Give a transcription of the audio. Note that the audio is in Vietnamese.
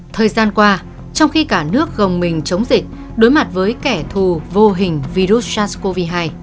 thời gian qua trong khi cả nước gồng mình chống dịch đối mặt với kẻ thù vô hình virus sars cov hai